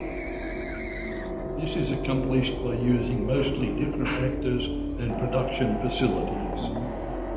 This is accomplished by using mostly different actors and production facilities.